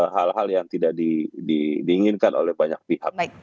hal hal yang tidak diinginkan oleh banyak pihak